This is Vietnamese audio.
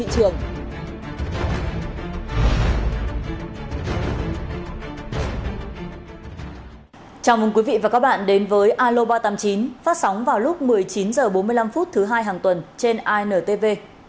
chào mừng quý vị và các bạn đến với alo ba trăm tám mươi chín phát sóng vào lúc một mươi chín h bốn mươi năm thứ hai hàng tuần trên intv